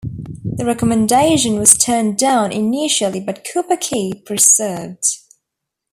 The recommendation was turned down initially but Cooper-Key persevered.